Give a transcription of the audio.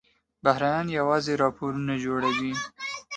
بهرنیان یوازې راپورونه جوړوي.